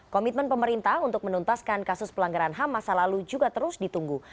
komitmen pemerintah untuk menuntaskan kasus pelanggaran ham masa lalu juga terus ditunggu